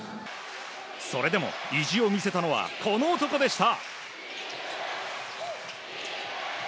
それでも、意地を見せたのはこの男でした。